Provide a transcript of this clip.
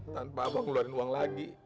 tanpa apa ngeluarin uang lagi